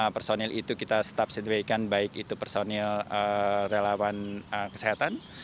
personil itu kita stand by kan baik itu personil relawan kesehatan